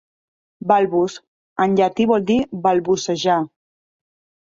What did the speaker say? "Balbus" en llatí vol dir "balbucejar".